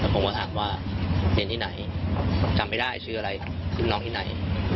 ผมก็ถามว่าเรียนที่ไหนจำไม่ได้ชื่ออะไรชื่อน้องที่ไหน